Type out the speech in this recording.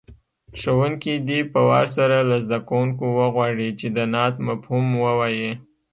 ښوونکی دې په وار سره له زده کوونکو وغواړي چې د نعت مفهوم ووایي.